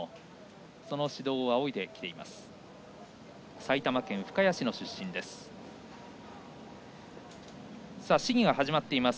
その指導を仰いでいます。